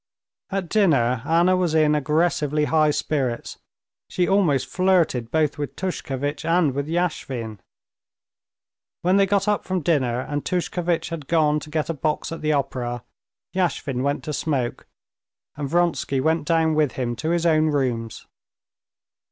At dinner Anna was in aggressively high spirits—she almost flirted both with Tushkevitch and with Yashvin. When they got up from dinner and Tushkevitch had gone to get a box at the opera, Yashvin went to smoke, and Vronsky went down with him to his own rooms.